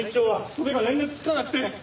それが連絡つかなくて。